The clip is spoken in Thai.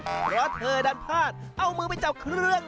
เพราะเธอดันพลาดเอามือไปจับเครื่อง